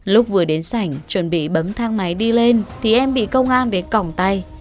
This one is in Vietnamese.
lúc vừa đến sảnh chuẩn bị bấm thang máy đi lên thì em bị công an về cổng tay